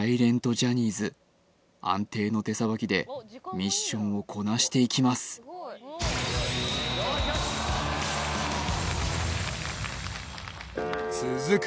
ジャニーズ安定の手さばきでミッションをこなしていきます続く